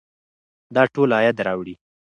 دا ټول عاید راوړي.